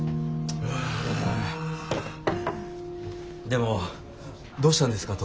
でもどうしたんですか？